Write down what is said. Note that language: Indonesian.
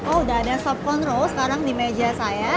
oh sudah ada sobkondro sekarang di meja saya